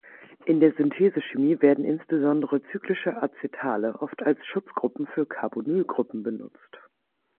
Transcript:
In der Synthesechemie werden insbesondere cyclische Acetale oft als Schutzgruppen für Carbonylgruppen benutzt.